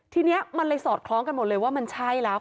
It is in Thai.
ทีนี้มันเลยสอดคล้องกันหมดเลยว่ามันใช่แล้ว